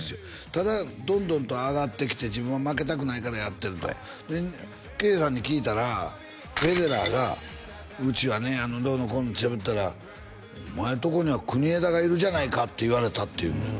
ただどんどんと上がってきて自分は負けたくないからやってるとで圭さんに聞いたらフェデラーがうちはねどうのこうのってしゃべったらお前のとこには国枝がいるじゃないかって言われたっていうのよ